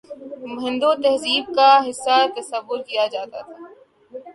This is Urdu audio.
ہندو تہذیب کا حصہ تصور کیا جاتا تھا